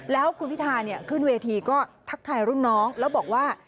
แล้วคุณพิธาขึ้นเวทีก็ทักทายรุ่นน้องแล้วบอกว่า